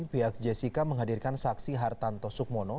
pihak jessica menghadirkan saksi hartanto sukmono